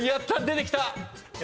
出てきた！